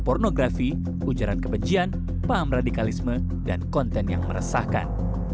pornografi ujaran kebencian paham radikalisme dan konten yang meresahkan